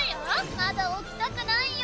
まだ起きたくないよ。